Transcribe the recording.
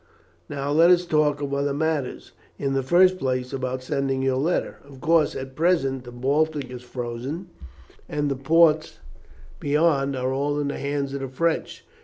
Now let us talk of other matters. In the first place, about sending your letter. Of course, at present the Baltic is frozen, and the ports beyond are all in the hands of the French.